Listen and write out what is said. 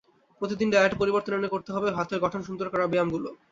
প্রতিদিনের ডায়েটে পরিবর্তন এনে করতে হবে হাতের গঠন সুন্দর করার ব্যায়ামগুলো।